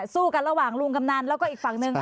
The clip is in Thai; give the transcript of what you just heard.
สู้กันระหว่างลุงกำนันแล้วก็อีกฝั่งหนึ่ง